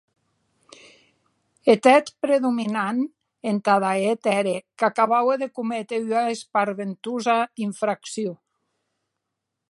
Eth hèt predominant entada eth ère, qu’acabaue de cométer ua espaventosa infraccion.